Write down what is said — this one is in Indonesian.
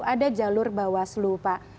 ada jalur bawah selu pak